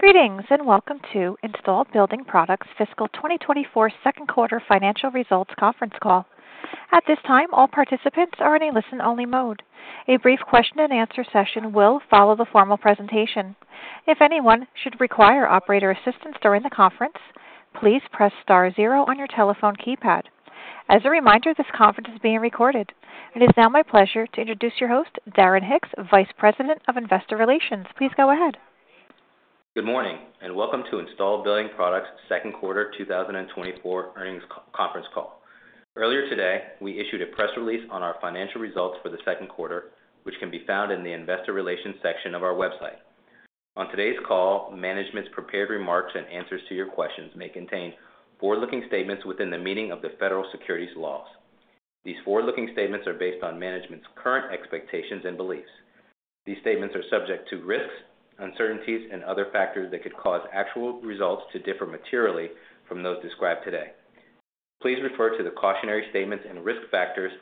Greetings and welcome to Installed Building Products Fiscal 2024 Second Quarter Financial Results Conference Call. At this time, all participants are in a listen-only mode. A brief question-and-answer session will follow the formal presentation. If anyone should require operator assistance during the conference, please press star zero on your telephone keypad. As a reminder, this conference is being recorded. It is now my pleasure to introduce your host, Darren Hicks, Vice President of Investor Relations. Please go ahead. Good morning and welcome to Installed Building Products Second Quarter 2024 Earnings Conference Call. Earlier today, we issued a press release on our financial results for the second quarter, which can be found in the Investor Relations section of our website. On today's call, management's prepared remarks and answers to your questions may contain forward-looking statements within the meaning of the federal securities laws. These forward-looking statements are based on management's current expectations and beliefs. These statements are subject to risks, uncertainties, and other factors that could cause actual results to differ materially from those described today. Please refer to the cautionary statements and risk factors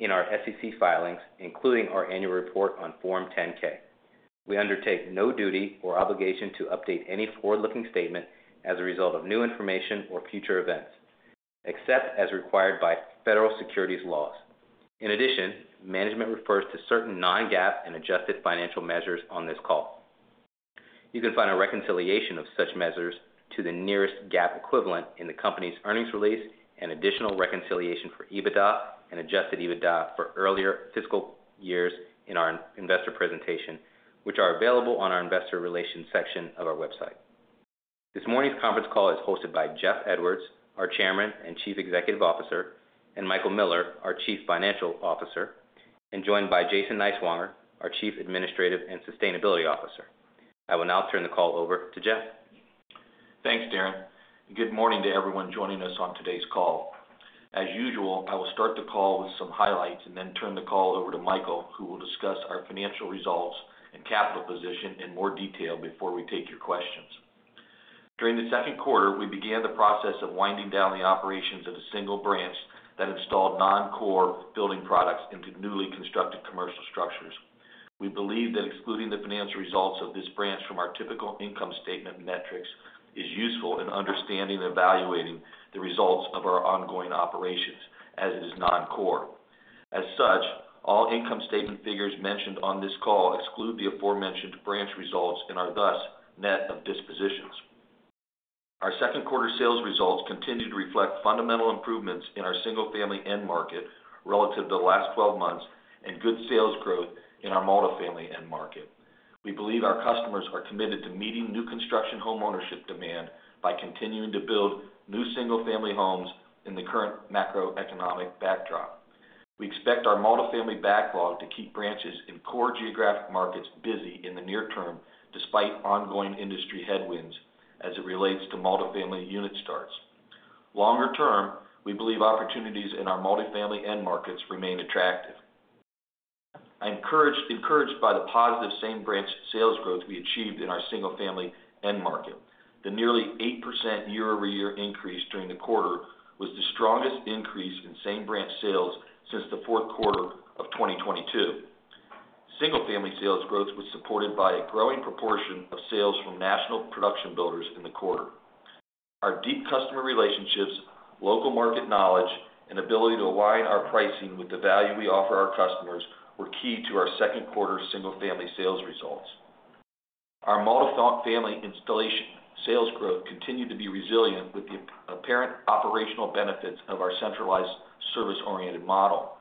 in our SEC filings, including our annual report on Form 10-K. We undertake no duty or obligation to update any forward-looking statement as a result of new information or future events, except as required by federal securities laws. In addition, management refers to certain non-GAAP and adjusted financial measures on this call. You can find a reconciliation of such measures to the nearest GAAP equivalent in the company's earnings release and additional reconciliation for EBITDA and Adjusted EBITDA for earlier fiscal years in our investor presentation, which are available on our Investor Relations section of our website. This morning's conference call is hosted by Jeff Edwards, our Chairman and Chief Executive Officer, and Michael Miller, our Chief Financial Officer, and joined by Jason Niswonger, our Chief Administrative and Sustainability Officer. I will now turn the call over to Jeff. Thanks, Darren. Good morning to everyone joining us on today's call. As usual, I will start the call with some highlights and then turn the call over to Michael, who will discuss our financial results and capital position in more detail before we take your questions. During the second quarter, we began the process of winding down the operations of a single branch that installed non-core building products into newly constructed commercial structures. We believe that excluding the financial results of this branch from our typical income statement metrics is useful in understanding and evaluating the results of our ongoing operations, as it is non-core. As such, all income statement figures mentioned on this call exclude the aforementioned branch results and are thus net of dispositions. Our second quarter sales results continue to reflect fundamental improvements in our single-family end market relative to the last 12 months and good sales growth in our multi-family end market. We believe our customers are committed to meeting new construction homeownership demand by continuing to build new single-family homes in the current macroeconomic backdrop. We expect our multi-family backlog to keep branches in core geographic markets busy in the near term despite ongoing industry headwinds as it relates to multi-family unit starts. Longer term, we believe opportunities in our multi-family end markets remain attractive. I'm encouraged by the positive same branch sales growth we achieved in our single-family end market. The nearly 8% year-over-year increase during the quarter was the strongest increase in same branch sales since the fourth quarter of 2022. Single-family sales growth was supported by a growing proportion of sales from national production builders in the quarter. Our deep customer relationships, local market knowledge, and ability to align our pricing with the value we offer our customers were key to our second quarter single-family sales results. Our multi-family installation sales growth continued to be resilient with the apparent operational benefits of our centralized service-oriented model.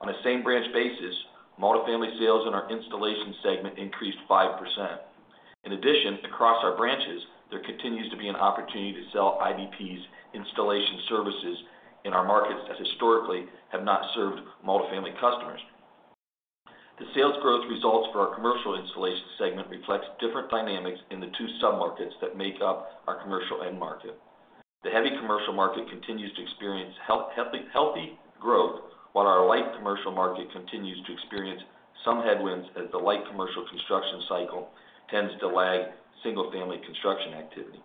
On a same branch basis, multi-family sales in our installation segment increased 5%. In addition, across our branches, there continues to be an opportunity to sell IBP's installation services in our markets that historically have not served multi-family customers. The sales growth results for our commercial installation segment reflects different dynamics in the two sub-markets that make up our commercial end market. The heavy commercial market continues to experience healthy growth, while our light commercial market continues to experience some headwinds as the light commercial construction cycle tends to lag single-family construction activity.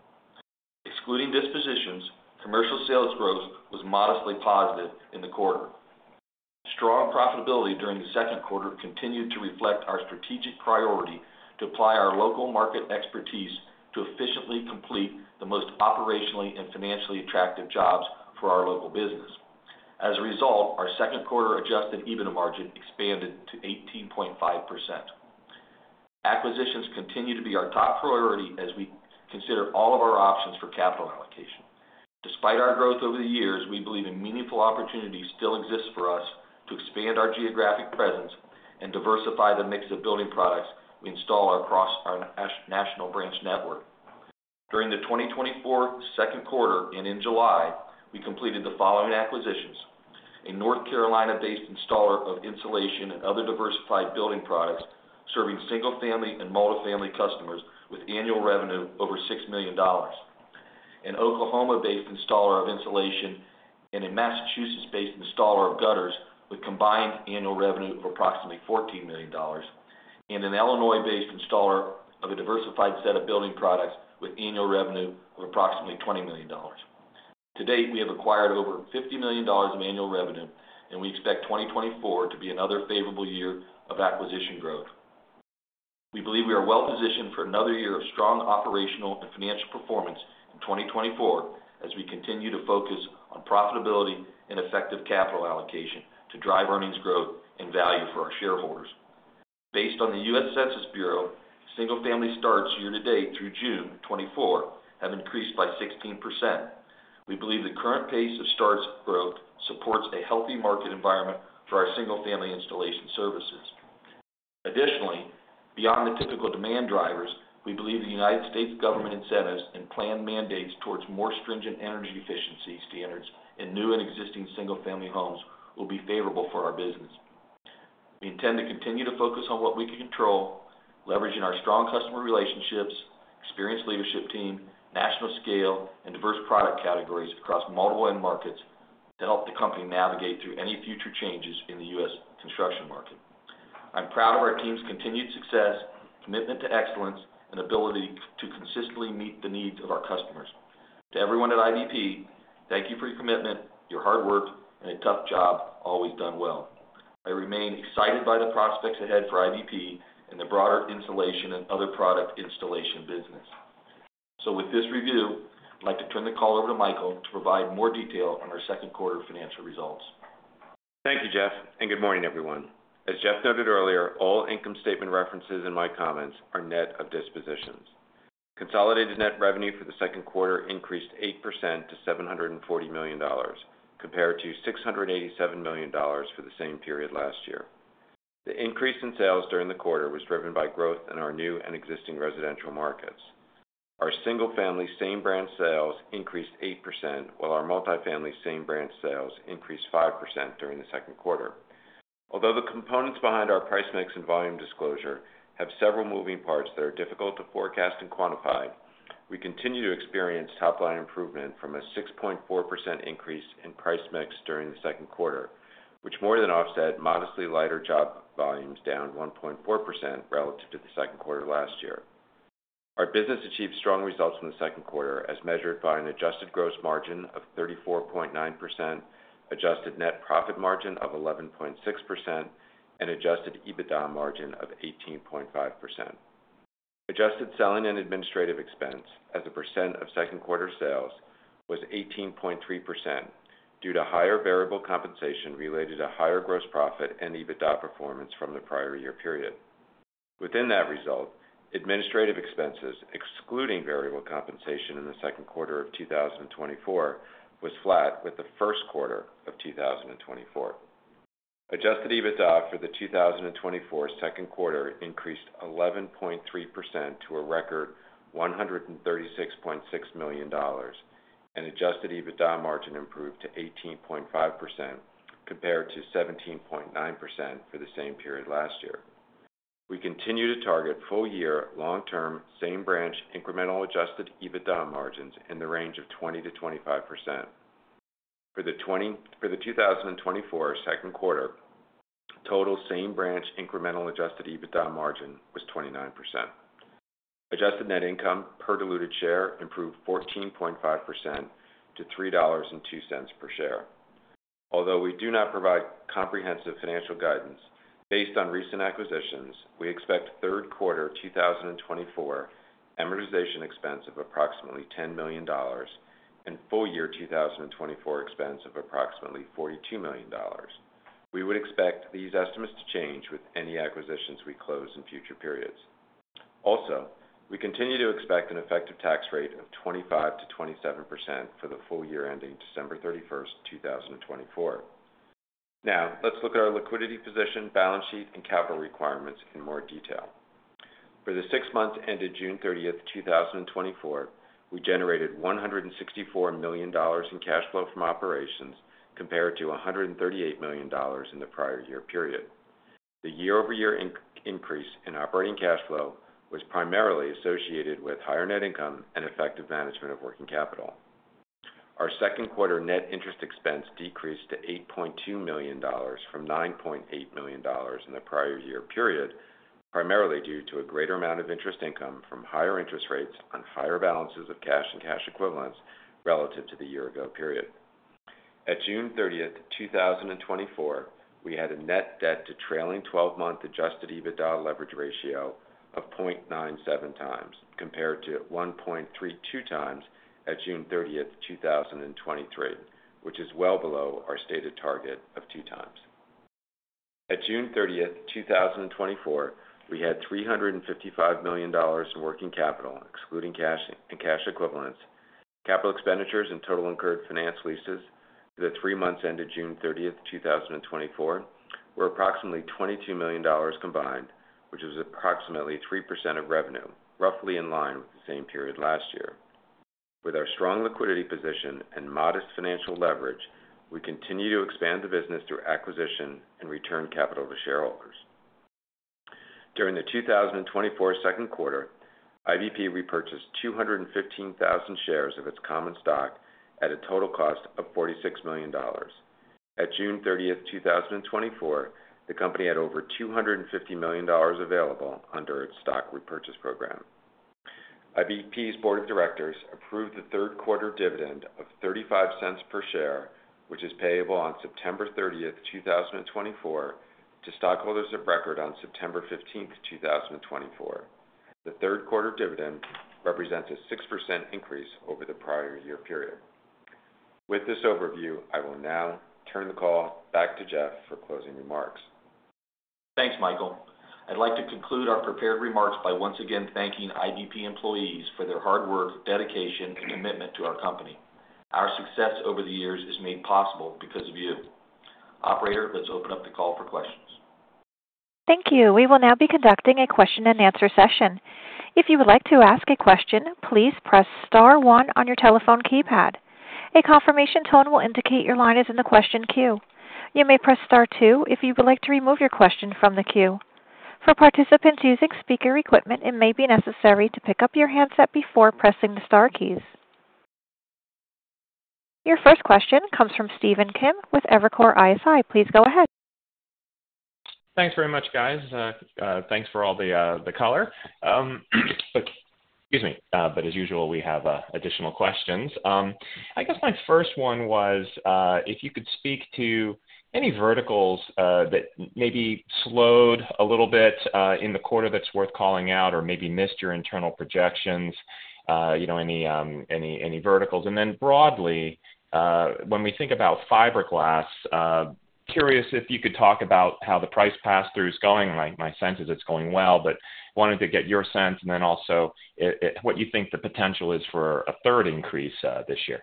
Excluding dispositions, commercial sales growth was modestly positive in the quarter. Strong profitability during the second quarter continued to reflect our strategic priority to apply our local market expertise to efficiently complete the most operationally and financially attractive jobs for our local business. As a result, our second quarter Adjusted EBITDA margin expanded to 18.5%. Acquisitions continue to be our top priority as we consider all of our options for capital allocation. Despite our growth over the years, we believe a meaningful opportunity still exists for us to expand our geographic presence and diversify the mix of building products we install across our national branch network. During the 2024 second quarter and in July, we completed the following acquisitions: a North Carolina-based installer of insulation and other diversified building products serving single-family and multi-family customers with annual revenue over $6 million, an Oklahoma-based installer of insulation, and a Massachusetts-based installer of gutters with combined annual revenue of approximately $14 million, and an Illinois-based installer of a diversified set of building products with annual revenue of approximately $20 million. To date, we have acquired over $50 million of annual revenue, and we expect 2024 to be another favorable year of acquisition growth. We believe we are well positioned for another year of strong operational and financial performance in 2024 as we continue to focus on profitability and effective capital allocation to drive earnings growth and value for our shareholders. Based on the U.S. Census Bureau, single-family starts year-to-date through June 2024 have increased by 16%. We believe the current pace of starts growth supports a healthy market environment for our single-family installation services. Additionally, beyond the typical demand drivers, we believe the United States government incentives and planned mandates towards more stringent energy efficiency standards in new and existing single-family homes will be favorable for our business. We intend to continue to focus on what we can control, leveraging our strong customer relationships, experienced leadership team, national scale, and diverse product categories across multiple end markets to help the company navigate through any future changes in the U.S. construction market. I'm proud of our team's continued success, commitment to excellence, and ability to consistently meet the needs of our customers. To everyone at IBP, thank you for your commitment, your hard work, and a tough job always done well. I remain excited by the prospects ahead for IBP and the broader insulation and other product installation business. With this review, I'd like to turn the call over to Michael to provide more detail on our second quarter financial results. Thank you, Jeff, and good morning, everyone. As Jeff noted earlier, all income statement references in my comments are net of dispositions. Consolidated net revenue for the second quarter increased 8% to $740 million, compared to $687 million for the same period last year. The increase in sales during the quarter was driven by growth in our new and existing residential markets. Our single-family same branch sales increased 8%, while our multi-family same branch sales increased 5% during the second quarter. Although the components behind our price/mix and volume disclosure have several moving parts that are difficult to forecast and quantify, we continue to experience top-line improvement from a 6.4% increase in price/mix during the second quarter, which more than offsets modestly lighter job volumes down 1.4% relative to the second quarter last year. Our business achieved strong results in the second quarter, as measured by an adjusted gross margin of 34.9%, adjusted net profit margin of 11.6%, and adjusted EBITDA margin of 18.5%. Adjusted selling and administrative expense, as a percent of second quarter sales, was 18.3% due to higher variable compensation related to higher gross profit and EBITDA performance from the prior year period. Within that result, administrative expenses, excluding variable compensation in the second quarter of 2024, was flat with the first quarter of 2024. Adjusted EBITDA for the 2024 second quarter increased 11.3% to a record $136.6 million, and adjusted EBITDA margin improved to 18.5%, compared to 17.9% for the same period last year. We continue to target full-year, long-term, same branch incremental adjusted EBITDA margins in the range of 20%-25%. For the 2024 second quarter, total same branch incremental adjusted EBITDA margin was 29%. Adjusted net income per diluted share improved 14.5% to $3.02 per share. Although we do not provide comprehensive financial guidance, based on recent acquisitions, we expect third quarter 2024 amortization expense of approximately $10 million and full-year 2024 expense of approximately $42 million. We would expect these estimates to change with any acquisitions we close in future periods. Also, we continue to expect an effective tax rate of 25%-27% for the full year ending December 31st, 2024. Now, let's look at our liquidity position, balance sheet, and capital requirements in more detail. For the six months ended June 30th, 2024, we generated $164 million in cash flow from operations compared to $138 million in the prior year period. The year-over-year increase in operating cash flow was primarily associated with higher net income and effective management of working capital. Our second quarter net interest expense decreased to $8.2 million from $9.8 million in the prior year period, primarily due to a greater amount of interest income from higher interest rates on higher balances of cash and cash equivalents relative to the year-ago period. At June 30th, 2024, we had a net debt to trailing 12-month adjusted EBITDA leverage ratio of 0.97x, compared to 1.32x at June 30th, 2023, which is well below our stated target of 2x. At June 30th, 2024, we had $355 million in working capital, excluding cash and cash equivalents. Capital expenditures and total incurred finance leases for the three months ended June 30th, 2024, were approximately $22 million combined, which was approximately 3% of revenue, roughly in line with the same period last year. With our strong liquidity position and modest financial leverage, we continue to expand the business through acquisition and return capital to shareholders. During the 2024 second quarter, IBP repurchased 215,000 shares of its common stock at a total cost of $46 million. At June 30th, 2024, the company had over $250 million available under its stock repurchase program. IBP's board of directors approved the third quarter dividend of $0.35 per share, which is payable on September 30th, 2024, to stockholders of record on September 15th, 2024. The third quarter dividend represents a 6% increase over the prior year period. With this overview, I will now turn the call back to Jeff for closing remarks. Thanks, Michael. I'd like to conclude our prepared remarks by once again thanking IBP employees for their hard work, dedication, and commitment to our company. Our success over the years is made possible because of you. Operator, let's open up the call for questions. Thank you. We will now be conducting a question-and-answer session. If you would like to ask a question, please press star one on your telephone keypad. A confirmation tone will indicate your line is in the question queue. You may press star two if you would like to remove your question from the queue. For participants using speaker equipment, it may be necessary to pick up your handset before pressing the star keys. Your first question comes from Stephen Kim with Evercore ISI. Please go ahead. Thanks very much, guys. Thanks for all the color. Excuse me, but as usual, we have additional questions. I guess my first one was if you could speak to any verticals that maybe slowed a little bit in the quarter that's worth calling out or maybe missed your internal projections, any verticals. And then broadly, when we think about fiberglass, curious if you could talk about how the price pass-through is going. My sense is it's going well, but wanted to get your sense and then also what you think the potential is for a third increase this year.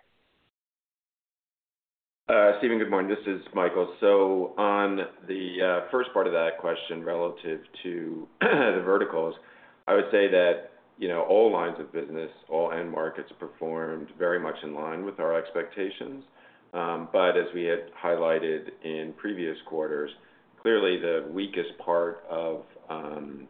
Stephen, good morning. This is Michael. So on the first part of that question relative to the verticals, I would say that all lines of business, all end markets performed very much in line with our expectations. But as we had highlighted in previous quarters, clearly the weakest part of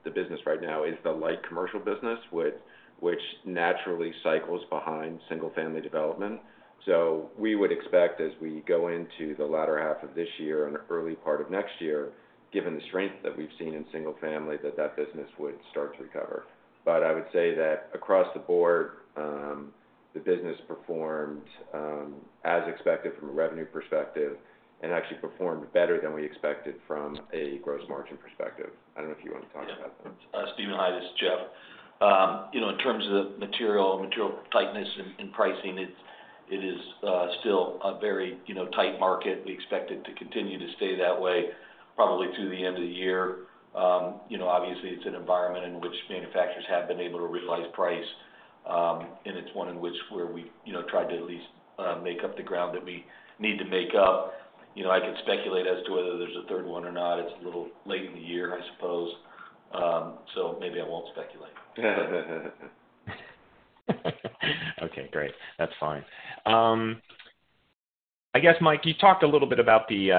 the business right now is the light commercial business, which naturally cycles behind single-family development. So we would expect as we go into the latter half of this year and early part of next year, given the strength that we've seen in single-family, that that business would start to recover. But I would say that across the board, the business performed as expected from a revenue perspective and actually performed better than we expected from a gross margin perspective. I don't know if you want to talk about that. In terms of the material tightness and pricing, it is still a very tight market. We expect it to continue to stay that way probably through the end of the year. Obviously, it's an environment in which manufacturers have been able to realize price, and it's one in which where we've tried to at least make up the ground that we need to make up. I could speculate as to whether there's a third one or not. It's a little late in the year, I suppose. So maybe I won't speculate. Okay. Great. That's fine. I guess, Mike, you talked a little bit about the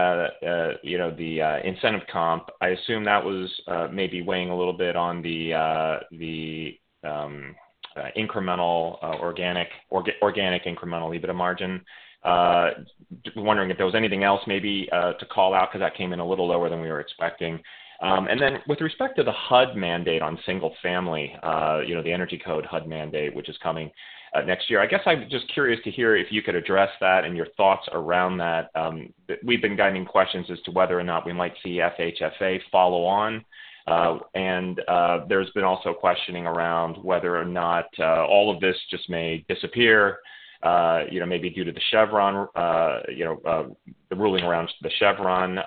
incentive comp. I assume that was maybe weighing a little bit on the organic incremental EBITDA margin. Wondering if there was anything else maybe to call out because that came in a little lower than we were expecting. And then with respect to the HUD mandate on single-family, the energy code HUD mandate, which is coming next year, I guess I'm just curious to hear if you could address that and your thoughts around that. We've been getting questions as to whether or not we might see FHFA follow on. And there's been also questioning around whether or not all of this just may disappear, maybe due to the Chevron, the ruling around the Chevron.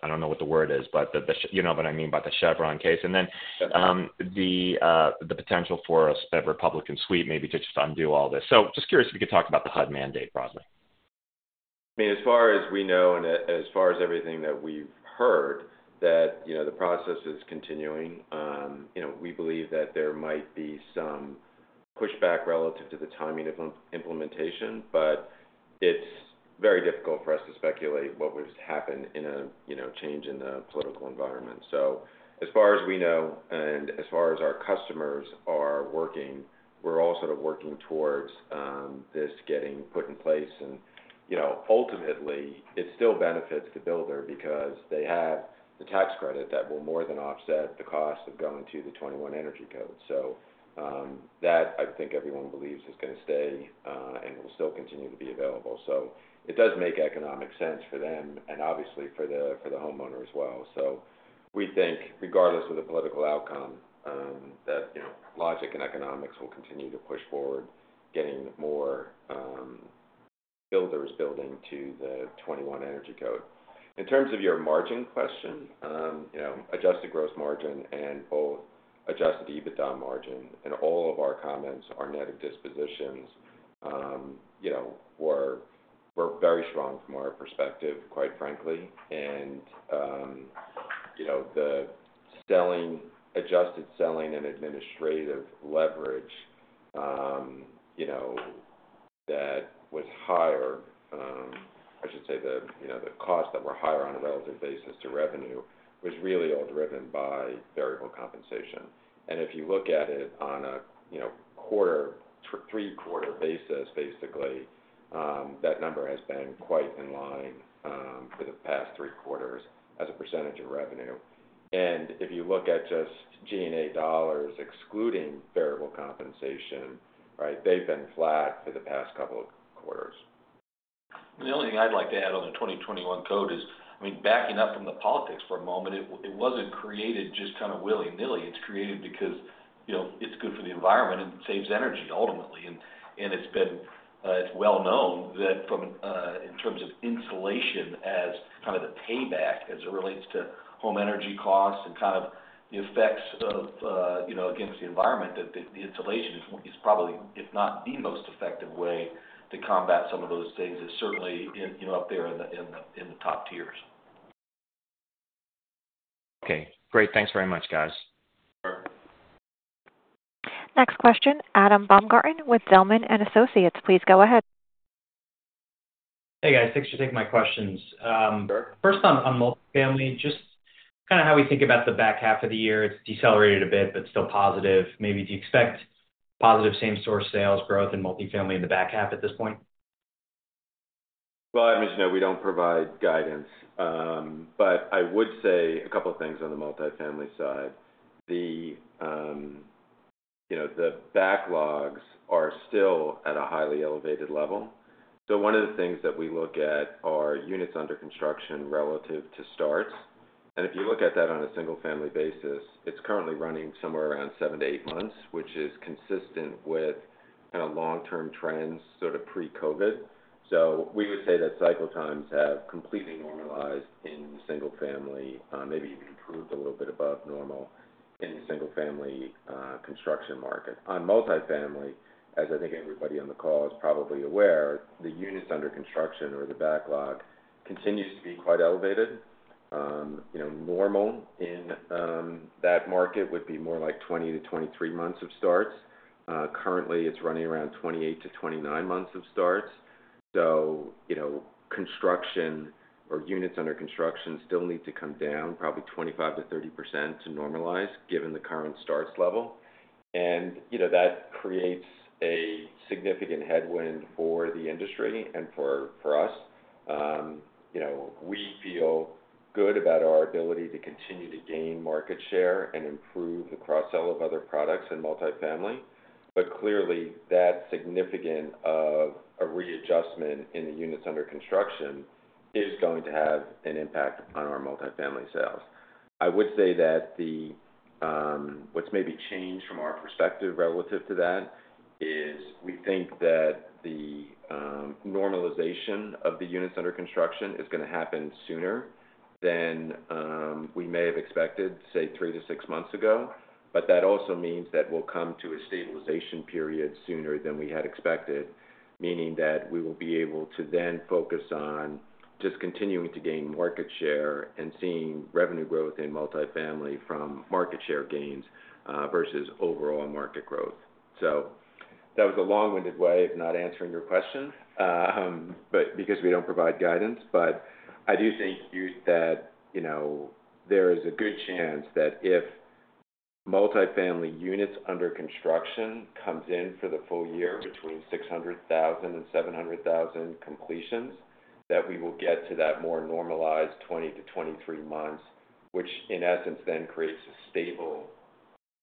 I don't know what the word is, but you know what I mean by the Chevron case. And then the potential for a Republican sweep maybe to just undo all this. So just curious if you could talk about the HUD mandate broadly. I mean, as far as we know and as far as everything that we've heard, that the process is continuing. We believe that there might be some pushback relative to the timing of implementation, but it's very difficult for us to speculate what would happen in a change in the political environment. So as far as we know and as far as our customers are working, we're all sort of working towards this getting put in place. And ultimately, it still benefits the builder because they have the tax credit that will more than offset the cost of going to the 2021 energy code. So that, I think everyone believes is going to stay and will still continue to be available. So it does make economic sense for them and obviously for the homeowner as well. So we think regardless of the political outcome, that logic and economics will continue to push forward getting more builders building to the 2021 energy code. In terms of your margin question, adjusted gross margin and both adjusted EBITDA margin and all of our comments, our net of dispositions were very strong from our perspective, quite frankly. And the adjusted selling and administrative leverage that was higher, I should say the costs that were higher on a relative basis to revenue, was really all driven by variable compensation. And if you look at it on a three-quarter basis, basically, that number has been quite in line for the past three quarters as a percentage of revenue. If you look at just G&A dollars excluding variable compensation, right, they've been flat for the past couple of quarters. The only thing I'd like to add on the 2021 code is, I mean, backing up from the politics for a moment, it wasn't created just kind of willy-nilly. It's created because it's good for the environment and saves energy ultimately. It's well known that in terms of insulation as kind of the payback as it relates to home energy costs and kind of the effects against the environment, that the insulation is probably, if not the most effective way to combat some of those things, is certainly up there in the top tiers. Okay. Great. Thanks very much, guys. Next question, Adam Baumgarten with Zelman & Associates. Please go ahead. Hey, guys. Thanks for taking my questions. First, on multi-family, just kind of how we think about the back half of the year. It's decelerated a bit, but still positive. Maybe do you expect positive same-store sales growth in multifamily in the back half at this point? Well, I mean, we don't provide guidance. But I would say a couple of things on the multi-family side. The backlogs are still at a highly elevated level. So one of the things that we look at are units under construction relative to starts. And if you look at that on a single-family basis, it's currently running somewhere around seven to eight months, which is consistent with kind of long-term trends sort of pre-COVID. So we would say that cycle times have completely normalized in the single-family, maybe even improved a little bit above normal in the single-family construction market. On multi-family, as I think everybody on the call is probably aware, the units under construction or the backlog continues to be quite elevated. Normal in that market would be more like 20-23 months of starts. Currently, it's running around 28-29 months of starts. So construction or units under construction still need to come down probably 25%-30% to normalize given the current starts level. And that creates a significant headwind for the industry and for us. We feel good about our ability to continue to gain market share and improve the cross-sell of other products in multi-family. But clearly, that significance of a readjustment in the units under construction is going to have an impact on our multi-family sales. I would say that what's maybe changed from our perspective relative to that is we think that the normalization of the units under construction is going to happen sooner than we may have expected, say, three to six months ago. But that also means that we'll come to a stabilization period sooner than we had expected, meaning that we will be able to then focus on just continuing to gain market share and seeing revenue growth in multi-family from market share gains versus overall market growth. So that was a long-winded way of not answering your question because we don't provide guidance. But I do think that there is a good chance that if multi-family units under construction comes in for the full year between 600,000 and 700,000 completions, that we will get to that more normalized 20-23 months, which in essence then creates a stable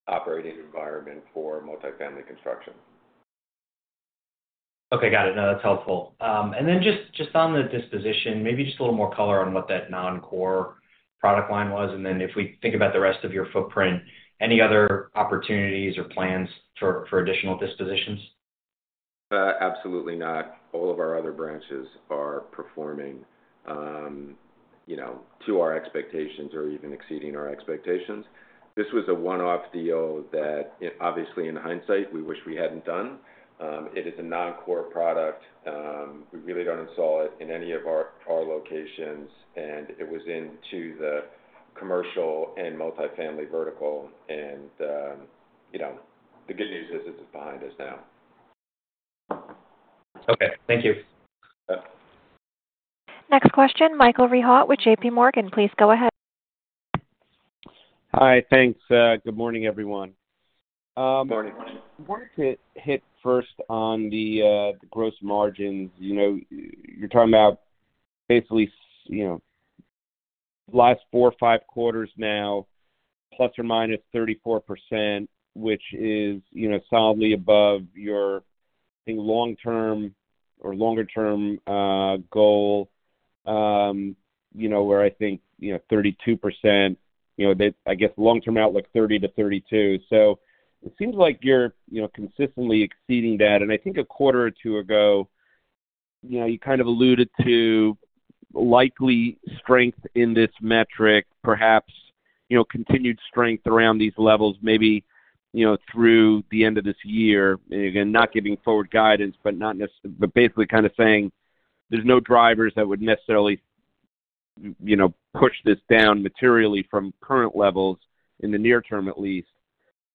operating environment for multi-family construction. Okay. Got it. No, that's helpful. And then just on the disposition, maybe just a little more color on what that non-core product line was. And then if we think about the rest of your footprint, any other opportunities or plans for additional dispositions? Absolutely not. All of our other branches are performing to our expectations or even exceeding our expectations. This was a one-off deal that, obviously, in hindsight, we wish we hadn't done. It is a non-core product. We really don't install it in any of our locations. And it was into the commercial and multifamily vertical. And the good news is it's behind us now. Okay. Thank you. Next question, Michael Rehaut with J.P. Morgan. Please go ahead. Hi. Thanks. Good morning, everyone. Good morning. Market hit first on the gross margins. You're talking about basically last four or five quarters now, plus or minus 34%, which is solidly above your long-term or longer-term goal where I think 32%. I guess long-term outlook, 30%-32%. So it seems like you're consistently exceeding that. And I think a quarter or two ago, you kind of alluded to likely strength in this metric, perhaps continued strength around these levels maybe through the end of this year. Again, not giving forward guidance, but basically kind of saying there's no drivers that would necessarily push this down materially from current levels in the near term, at least.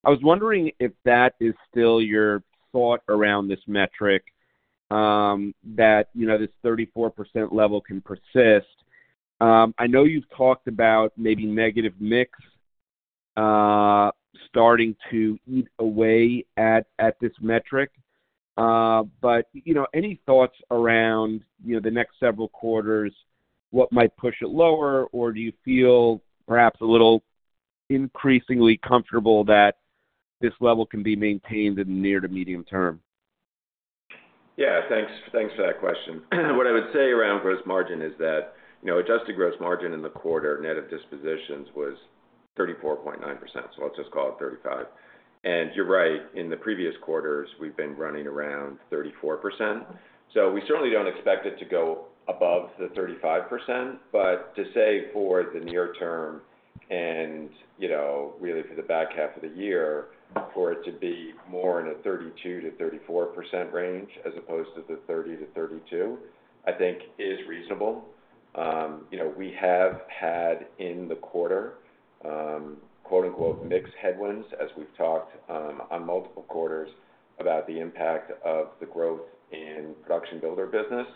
I was wondering if that is still your thought around this metric, that this 34% level can persist. I know you've talked about maybe negative mix starting to eat away at this metric. Any thoughts around the next several quarters, what might push it lower, or do you feel perhaps a little increasingly comfortable that this level can be maintained in the near to medium term? Yeah. Thanks for that question. What I would say around gross margin is that adjusted gross margin in the quarter net of dispositions was 34.9%. So I'll just call it 35%. And you're right. In the previous quarters, we've been running around 34%. So we certainly don't expect it to go above the 35%. But to say for the near term and really for the back half of the year, for it to be more in a 32%-34% range as opposed to the 30%-32%, I think is reasonable. We have had in the quarter "mix headwinds," as we've talked on multiple quarters about the impact of the growth in production builder business.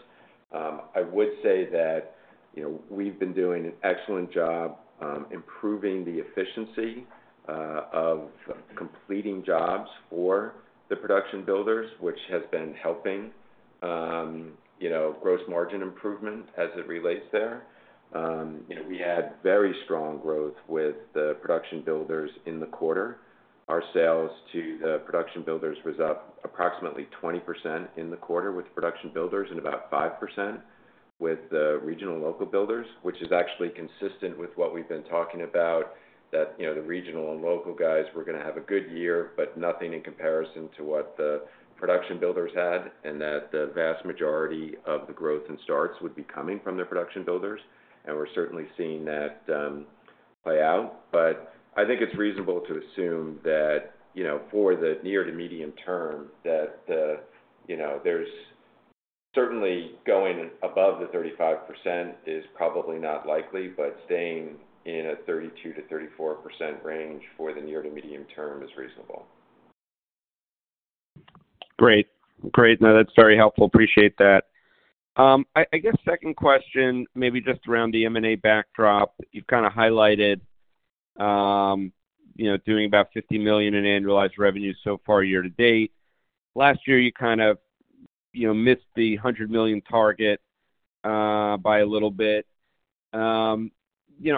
I would say that we've been doing an excellent job improving the efficiency of completing jobs for the production builders, which has been helping gross margin improvement as it relates there. We had very strong growth with the production builders in the quarter. Our sales to the production builders was up approximately 20% in the quarter with production builders and about 5% with the regional and local builders, which is actually consistent with what we've been talking about, that the regional and local guys were going to have a good year, but nothing in comparison to what the production builders had, and that the vast majority of the growth and starts would be coming from the production builders. And we're certainly seeing that play out. But I think it's reasonable to assume that for the near to medium term, that there's certainly going above the 35% is probably not likely, but staying in a 32%-34% range for the near to medium term is reasonable. Great. Great. No, that's very helpful. Appreciate that. I guess second question, maybe just around the M&A backdrop. You've kind of highlighted doing about $50 million in annualized revenue so far year to date. Last year, you kind of missed the $100 million target by a little bit.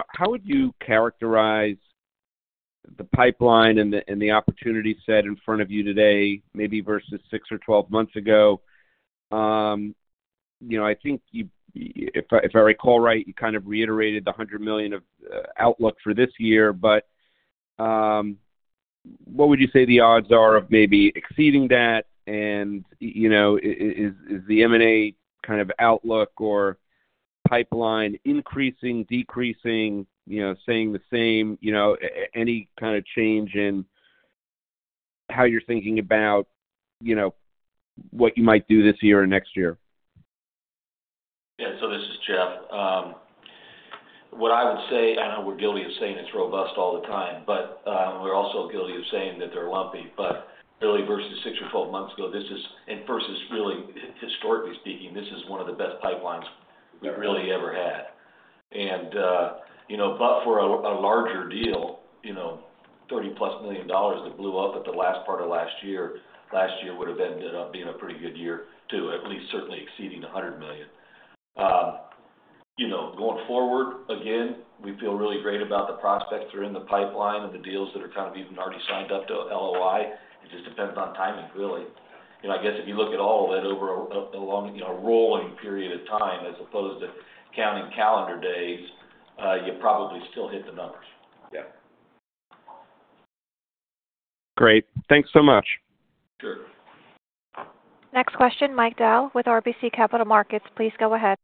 How would you characterize the pipeline and the opportunity set in front of you today, maybe versus six or 12 months ago? I think if I recall right, you kind of reiterated the $100 million outlook for this year. But what would you say the odds are of maybe exceeding that? And is the M&A kind of outlook or pipeline increasing, decreasing, staying the same, any kind of change in how you're thinking about what you might do this year or next year? Yeah. So this is Jeff. What I would say, I know we're guilty of saying it's robust all the time, but we're also guilty of saying that they're lumpy. But really, versus six or 12 months ago, and versus really historically speaking, this is one of the best pipelines we've really ever had. And but for a larger deal, $30+ million that blew up at the last part of last year, last year would have ended up being a pretty good year too, at least certainly exceeding $100 million. Going forward, again, we feel really great about the prospects that are in the pipeline and the deals that are kind of even already signed up to LOI. It just depends on timing, really. I guess if you look at all of it over a rolling period of time as opposed to counting calendar days, you probably still hit the numbers. Yeah. Great. Thanks so much. Sure. Next question, Mike Dahl with RBC Capital Markets. Please go ahead.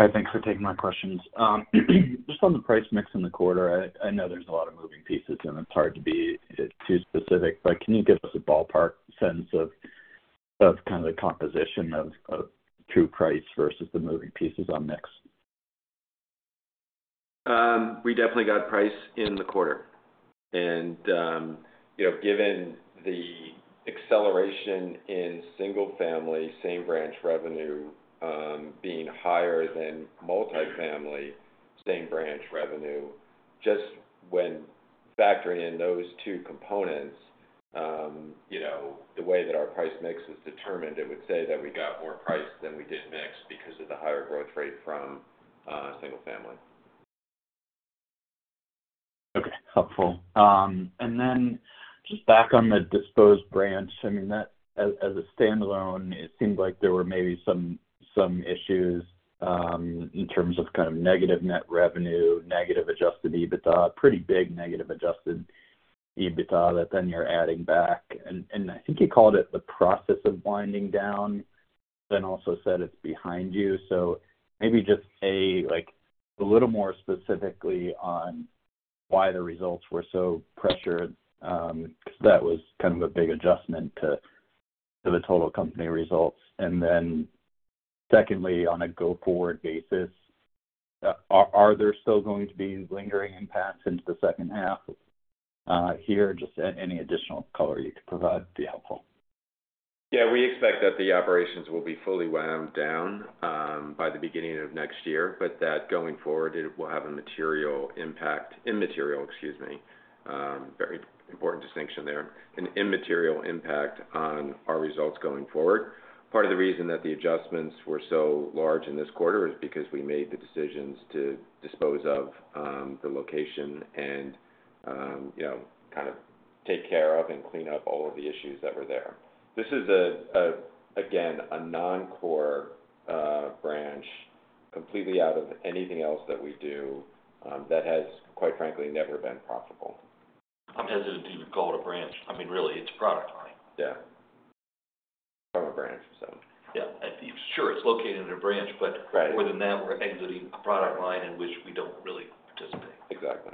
Hi. Thanks for taking my questions. Just on the price/mix in the quarter, I know there's a lot of moving pieces, and it's hard to be too specific. But can you give us a ballpark sense of kind of the composition of true price versus the moving pieces on mix? We definitely got price in the quarter. Given the acceleration in single-family, same-branch revenue being higher than multi-family, same-branch revenue, just when factoring in those two components, the way that our price/mix is determined, it would say that we got more price than we did mix because of the higher growth rate from single-family. Okay. Helpful. And then just back on the disposed branch, I mean, as a standalone, it seemed like there were maybe some issues in terms of kind of negative net revenue, negative adjusted EBITDA, pretty big negative adjusted EBITDA that then you're adding back. And I think you called it the process of winding down, but then also said it's behind you. So maybe just a little more specifically on why the results were so pressured because that was kind of a big adjustment to the total company results. And then secondly, on a go-forward basis, are there still going to be lingering impacts into the second half here? Just any additional color you could provide would be helpful. Yeah. We expect that the operations will be fully wound down by the beginning of next year, but that going forward, it will have an immaterial impact, excuse me, very important distinction there, an immaterial impact on our results going forward. Part of the reason that the adjustments were so large in this quarter is because we made the decisions to dispose of the location and kind of take care of and clean up all of the issues that were there. This is, again, a non-core branch, completely out of anything else that we do that has, quite frankly, never been profitable. I'm hesitant to even call it a branch. I mean, really, it's a product line. Yeah. From a branch. It's located in a branch, but more than that, we're exiting a product line in which we don't really participate. Exactly.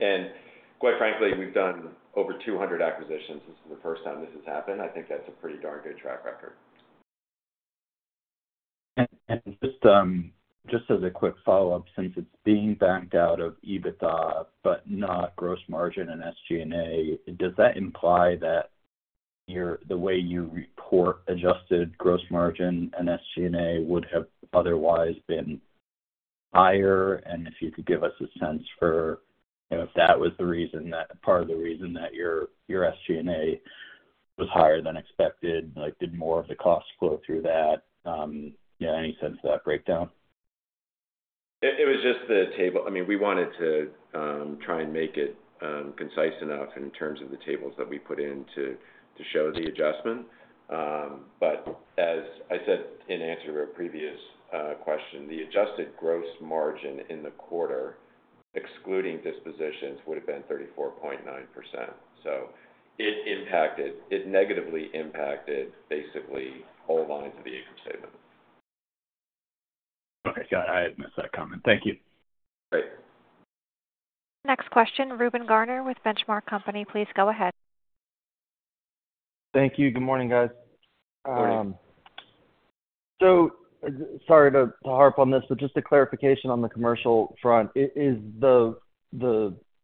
And quite frankly, we've done over 200 acquisitions. This is the first time this has happened. I think that's a pretty darn good track record. Just as a quick follow-up, since it's being backed out of EBITDA but not gross margin and SG&A, does that imply that the way you report adjusted gross margin and SG&A would have otherwise been higher? If you could give us a sense for if that was the reason, part of the reason that your SG&A was higher than expected, did more of the cost flow through that, any sense of that breakdown? It was just the table. I mean, we wanted to try and make it concise enough in terms of the tables that we put in to show the adjustment. But as I said in answer to a previous question, the adjusted gross margin in the quarter, excluding dispositions, would have been 34.9%. So it negatively impacted basically all lines of the income statement. Okay. Got it. I had missed that comment. Thank you. Great. Next question, Reuben Garner with Benchmark Company. Please go ahead. Thank you. Good morning, guys. Good morning. Sorry to harp on this, but just a clarification on the commercial front. Is the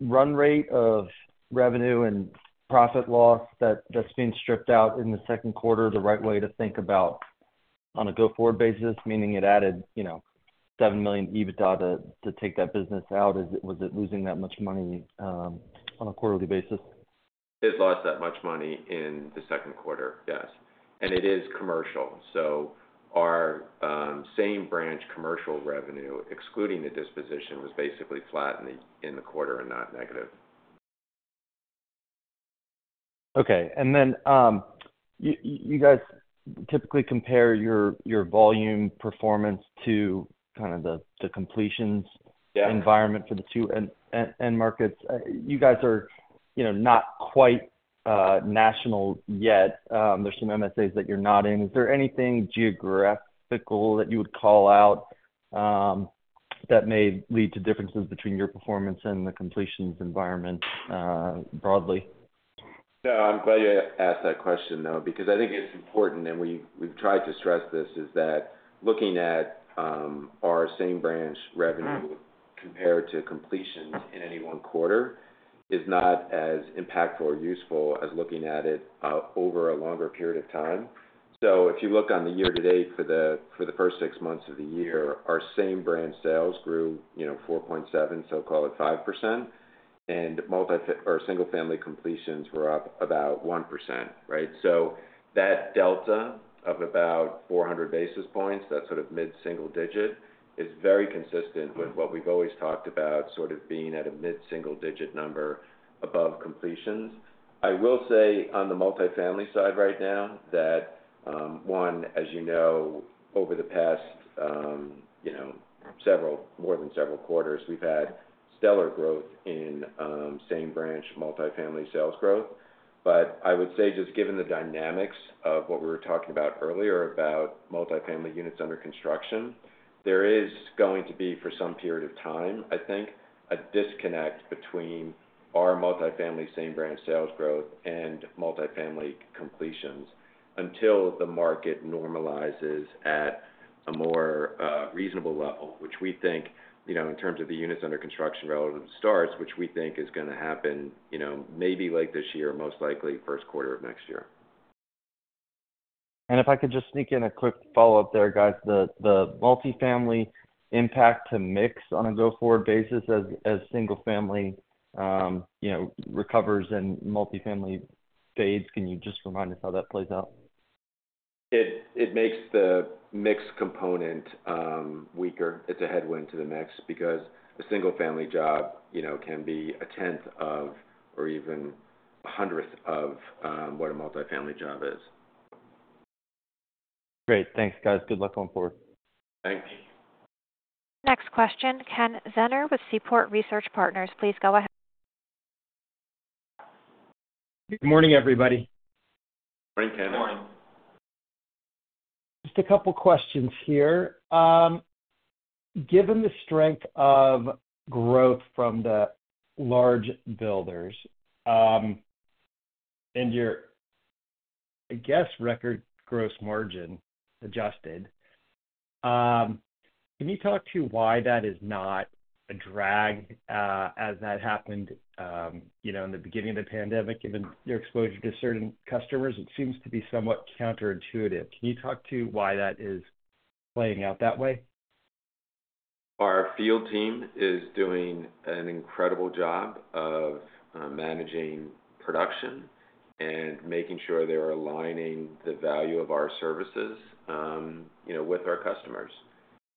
run rate of revenue and profit loss that's being stripped out in the second quarter the right way to think about on a go-forward basis, meaning it added $7 million EBITDA to take that business out? Was it losing that much money on a quarterly basis? It lost that much money in the second quarter, yes. It is commercial. Our same-branch commercial revenue, excluding the disposition, was basically flat in the quarter and not negative. Okay. And then you guys typically compare your volume performance to kind of the completions environment for the two end markets. You guys are not quite national yet. There's some MSAs that you're not in. Is there anything geographical that you would call out that may lead to differences between your performance and the completions environment broadly? No, I'm glad you asked that question, though, because I think it's important, and we've tried to stress this, is that looking at our same-branch revenue compared to completions in any one quarter is not as impactful or useful as looking at it over a longer period of time. So if you look on the year to date for the first six months of the year, our same-branch sales grew 4.7%, so-called 5%, and single-family completions were up about 1%, right? So that delta of about 400 basis points, that sort of mid-single digit, is very consistent with what we've always talked about sort of being at a mid-single digit number above completions. I will say on the multi-family side right now that, one, as you know, over the past several more than several quarters, we've had stellar growth in same-branch multi-family sales growth. But I would say, just given the dynamics of what we were talking about earlier about multi-family units under construction, there is going to be, for some period of time, I think, a disconnect between our multi-family same-branch sales growth and multi-family completions until the market normalizes at a more reasonable level, which we think in terms of the units under construction relative to starts, which we think is going to happen maybe late this year, most likely first quarter of next year. If I could just sneak in a quick follow-up there, guys, the multifamily impact to mix on a go-forward basis as single-family recovers and multi-family fades, can you just remind us how that plays out? It makes the mix component weaker. It's a headwind to the mix because a single-family job can be a tenth of or even a hundredth of what a multi-family job is. Great. Thanks, guys. Good luck going forward. Thanks. Next question, Ken Zener with Seaport Research Partners. Please go ahead. Good morning, everybody. Morning, Ken. Good morning. Just a couple of questions here. Given the strength of growth from the large builders and your, I guess, record gross margin adjusted, can you talk to why that is not a drag as that happened in the beginning of the pandemic, given your exposure to certain customers? It seems to be somewhat counterintuitive. Can you talk to why that is playing out that way? Our field team is doing an incredible job of managing production and making sure they're aligning the value of our services with our customers.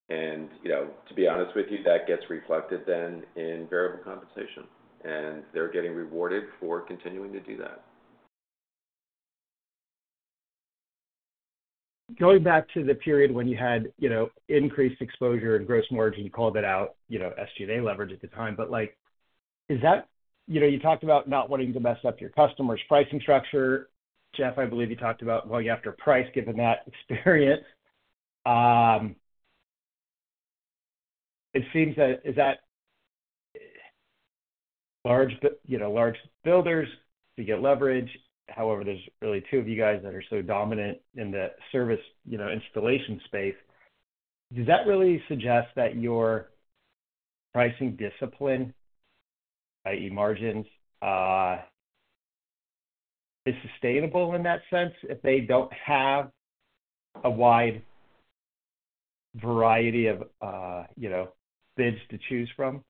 To be honest with you, that gets reflected then in variable compensation. They're getting rewarded for continuing to do that. Going back to the period when you had increased exposure and gross margin, you called it out SG&A leverage at the time. But is that you talked about not wanting to mess up your customers' pricing structure. Jeff, I believe you talked about going after price given that experience. It seems that large builders, bigger leverage, however, there's really two of you guys that are so dominant in the service installation space. Does that really suggest that your pricing discipline, i.e., margins, is sustainable in that sense if they don't have a wide variety of bids to choose from?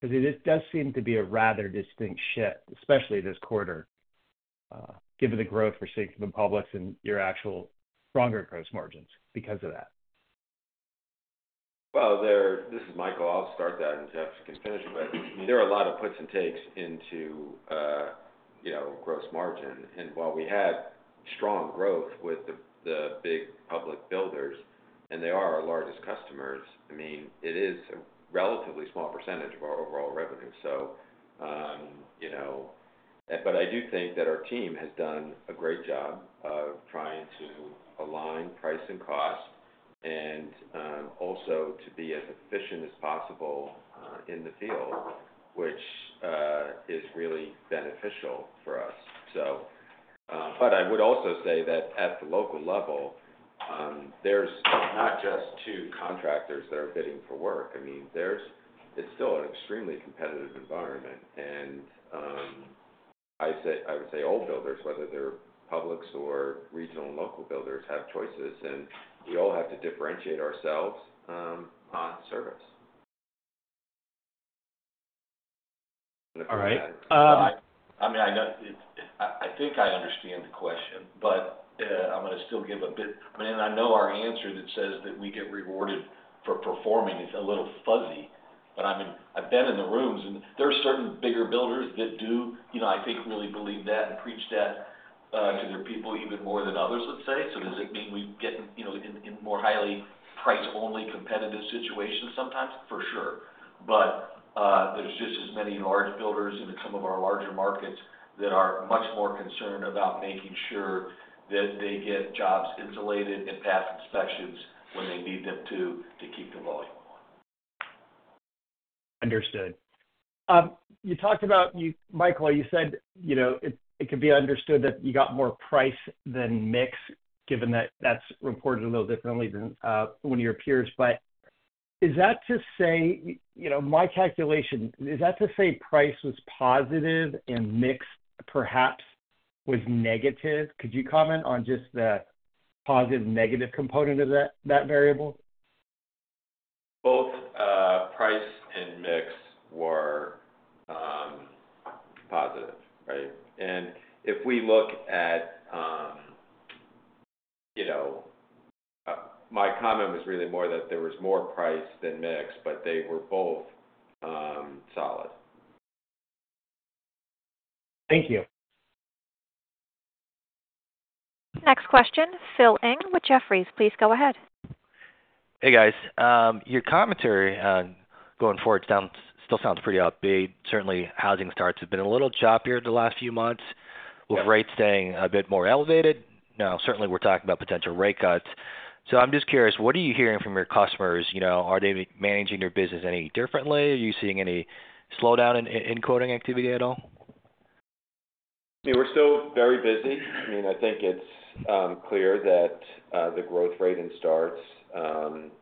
Because it does seem to be a rather distinct shift, especially this quarter, given the growth for IBP and your actual stronger gross margins because of that. Well, this is Michael. I'll start that, and Jeff can finish it. But there are a lot of puts and takes into gross margin. And while we had strong growth with the big public builders, and they are our largest customers, I mean, it is a relatively small percentage of our overall revenue. But I do think that our team has done a great job of trying to align price and cost and also to be as efficient as possible in the field, which is really beneficial for us. But I would also say that at the local level, there's not just two contractors that are bidding for work. I mean, it's still an extremely competitive environment. And I would say all builders, whether they're publics or regional and local builders, have choices. And we all have to differentiate ourselves on service. All right. I mean, I think I understand the question, but I'm going to still give a bit. I mean, and I know our answer that says that we get rewarded for performing is a little fuzzy. But I mean, I've been in the rooms, and there are certain bigger builders that do, I think, really believe that and preach that to their people even more than others, let's say. So does it mean we get in more highly price-only competitive situations sometimes? For sure. But there's just as many large builders in some of our larger markets that are much more concerned about making sure that they get jobs insulated and pass inspections when they need them to to keep the volume going. Understood. You talked about, Michael, you said it could be understood that you got more price than mix, given that that's reported a little differently than one of your peers. But is that to say my calculation, is that to say price was positive and mix perhaps was negative? Could you comment on just the positive-negative component of that variable? Both price and mix were positive, right? And if we look at my comment was really more that there was more price than mix, but they were both solid. Thank you. Next question, Phil Ng with Jefferies. Please go ahead. Hey, guys. Your commentary going forward still sounds pretty upbeat. Certainly, housing starts have been a little choppier the last few months, with rates staying a bit more elevated. Now, certainly, we're talking about potential rate cuts. So I'm just curious, what are you hearing from your customers? Are they managing their business any differently? Are you seeing any slowdown in quoting activity at all? We're still very busy. I mean, I think it's clear that the growth rate in starts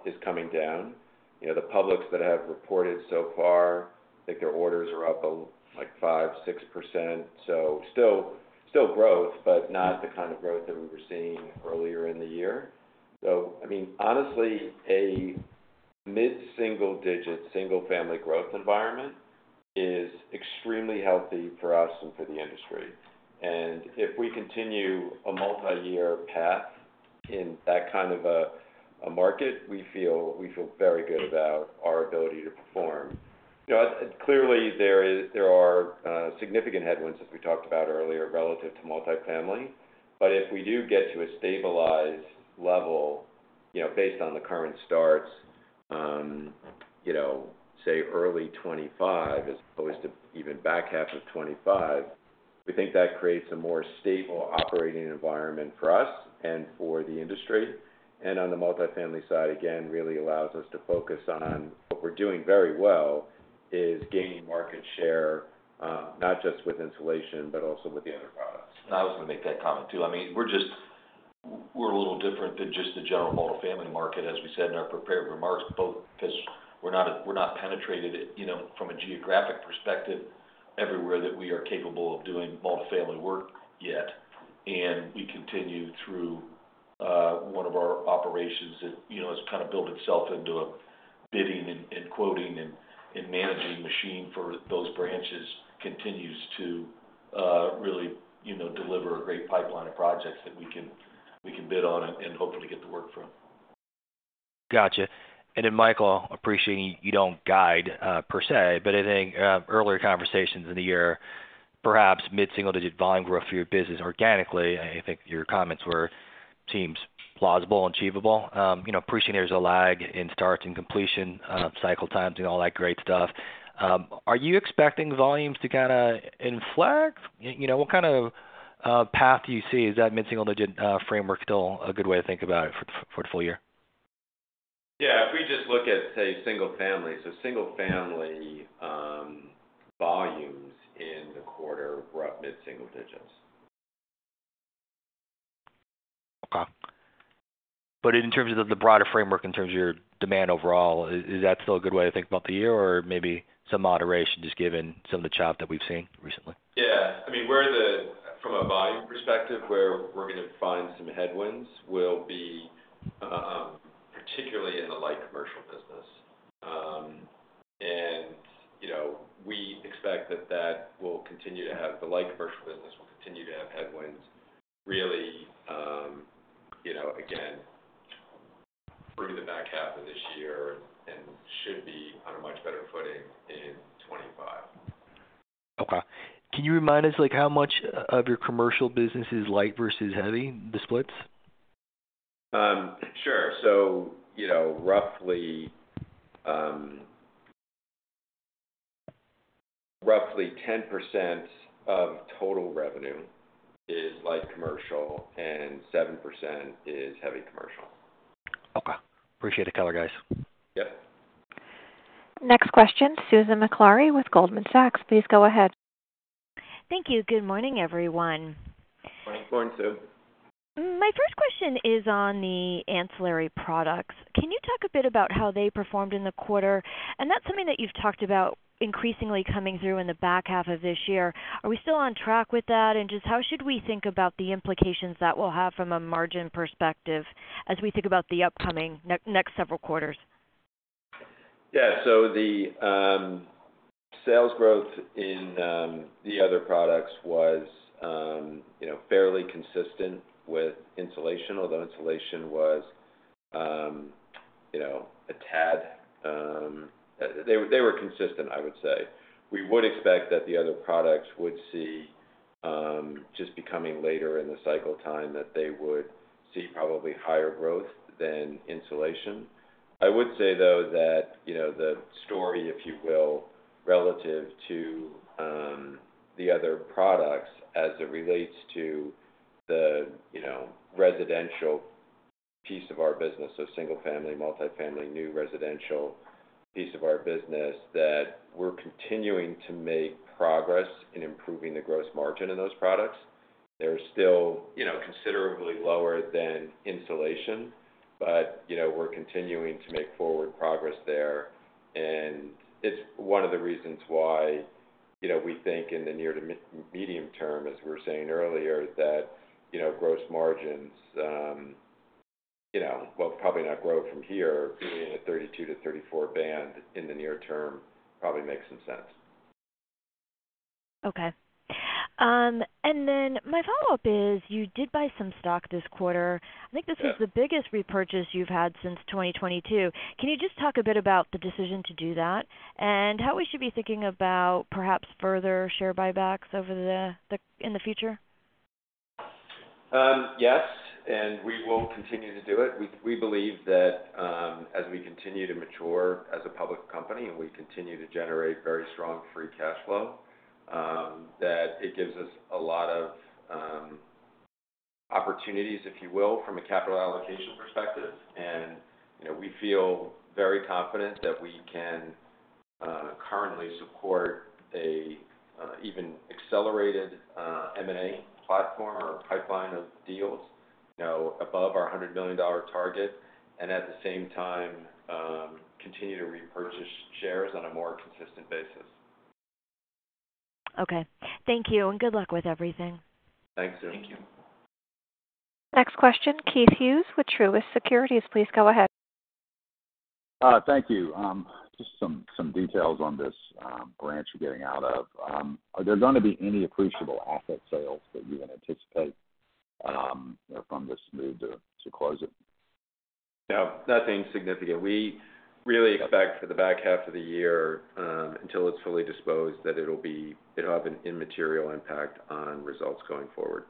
is coming down. The publics that have reported so far, I think their orders are up like 5%-6%. So still growth, but not the kind of growth that we were seeing earlier in the year. So I mean, honestly, a mid-single digit single-family growth environment is extremely healthy for us and for the industry. And if we continue a multi-year path in that kind of a market, we feel very good about our ability to perform. Clearly, there are significant headwinds, as we talked about earlier, relative to multi-family. But if we do get to a stabilized level based on the current starts, say, early 2025 as opposed to even back half of 2025, we think that creates a more stable operating environment for us and for the industry. On the multi-family side, again, really allows us to focus on what we're doing very well is gaining market share, not just with insulation, but also with the other products. I was going to make that comment too. I mean, we're a little different than just the general multi-family market, as we said in our prepared remarks, because we're not penetrated from a geographic perspective everywhere that we are capable of doing multi-family work yet. We continue through one of our operations that has kind of built itself into bidding and quoting and managing machine for those branches continues to really deliver a great pipeline of projects that we can bid on and hopefully get the work from. Gotcha. And then, Michael, appreciating you don't guide per se, but I think earlier conversations in the year, perhaps mid-single digit volume growth for your business organically, I think your comments were seems plausible and achievable. Appreciating there's a lag in starts and completion cycle times and all that great stuff. Are you expecting volumes to kind of inflect? What kind of path do you see? Is that mid-single digit framework still a good way to think about it for the full year? Yeah. If we just look at, say, single-family, so single-family volumes in the quarter were up mid-single digits. Okay. But in terms of the broader framework, in terms of your demand overall, is that still a good way to think about the year or maybe some moderation just given some of the chop that we've seen recently? Yeah. I mean, from a volume perspective, where we're going to find some headwinds will be particularly in the light commercial business. We expect that that will continue to have the light commercial business will continue to have headwinds really, again, through the back half of this year and should be on a much better footing in 2025. Okay. Can you remind us how much of your commercial business is light versus heavy, the splits? Sure. So roughly 10% of total revenue is light commercial and 7% is heavy commercial. Okay. Appreciate the color guys. Yep. Next question, Susan Maklari with Goldman Sachs. Please go ahead. Thank you. Good morning, everyone. Morning. Good morning, Sue. My first question is on the ancillary products. Can you talk a bit about how they performed in the quarter? And that's something that you've talked about increasingly coming through in the back half of this year. Are we still on track with that? And just how should we think about the implications that we'll have from a margin perspective as we think about the upcoming next several quarters? Yeah. So the sales growth in the other products was fairly consistent with insulation, although insulation was a tad. They were consistent, I would say. We would expect that the other products would see just becoming later in the cycle time that they would see probably higher growth than insulation. I would say, though, that the story, if you will, relative to the other products as it relates to the residential piece of our business, so single-family, multi-family, new residential piece of our business, that we're continuing to make progress in improving the gross margin in those products. They're still considerably lower than insulation, but we're continuing to make forward progress there. It's one of the reasons why we think in the near- to medium-term, as we were saying earlier, that gross margins, well, probably not grow from here, being a 32%-34% band in the near term probably makes some sense. Okay. And then my follow-up is you did buy some stock this quarter. I think this is the biggest repurchase you've had since 2022. Can you just talk a bit about the decision to do that and how we should be thinking about perhaps further share buybacks in the future? Yes. We will continue to do it. We believe that as we continue to mature as a public company and we continue to generate very strong free cash flow, that it gives us a lot of opportunities, if you will, from a capital allocation perspective. We feel very confident that we can currently support an even accelerated M&A platform or pipeline of deals above our $100 million target and at the same time continue to repurchase shares on a more consistent basis. Okay. Thank you. And good luck with everything. Thanks, Sue. Thank you. Next question, Keith Hughes with Truist Securities. Please go ahead. Thank you. Just some details on this branch we're getting out of. Are there going to be any appreciable asset sales that you anticipate from this move to close it? No, nothing significant. We really expect for the back half of the year until it's fully disposed that it'll have an immaterial impact on results going forward.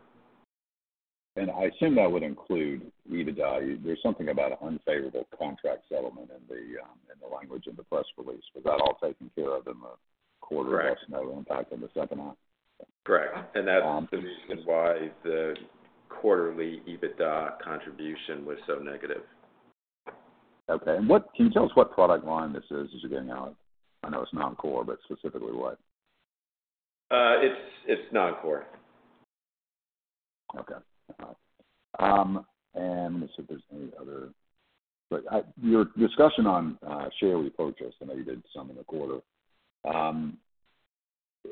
I assume that would include EBITDA. There's something about an unfavorable contract settlement in the language of the press release. Was that all taken care of in the quarter? Correct. There was no impact in the second half? Correct. That's the reason why the quarterly EBITDA contribution was so negative. Okay. Can you tell us what product line this is that you're getting out of? I know it's non-core, but specifically what? It's non-core. Okay. And let me see if there's any other your discussion on share repurchase. I know you did some in the quarter.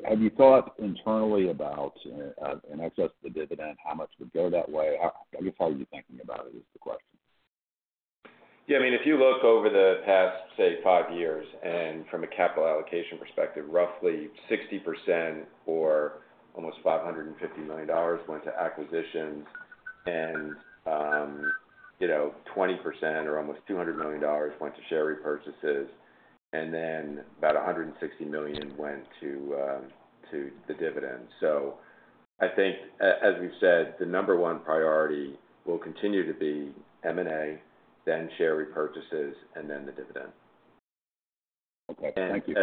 Have you thought internally about, in excess of the dividend, how much would go that way? I guess how are you thinking about it is the question. Yeah. I mean, if you look over the past, say, five years, and from a capital allocation perspective, roughly 60% or almost $550 million went to acquisitions, and 20% or almost $200 million went to share repurchases, and then about $160 million went to the dividend. So I think, as we've said, the number one priority will continue to be M&A, then share repurchases, and then the dividend. Okay. Thank you.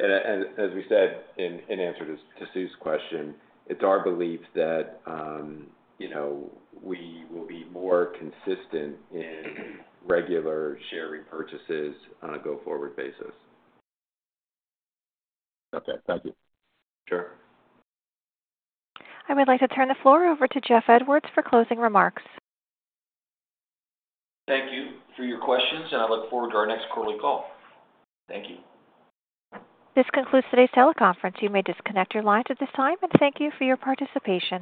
And as we said in answer to Sue's question, it's our belief that we will be more consistent in regular share repurchases on a go-forward basis. Okay. Thank you. Sure. I would like to turn the floor over to Jeff Edwards for closing remarks. Thank you for your questions, and I look forward to our next quarterly call. Thank you. This concludes today's teleconference. You may disconnect your lines at this time, and thank you for your participation.